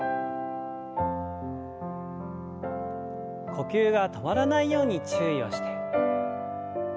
呼吸が止まらないように注意をして。